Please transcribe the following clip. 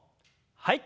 はい。